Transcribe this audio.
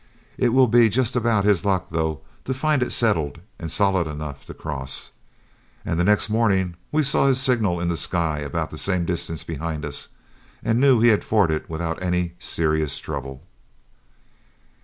It will be just about his luck, though, to find it settled and solid enough to cross." And the next morning we saw his signal in the sky about the same distance behind us, and knew he had forded without any serious trouble.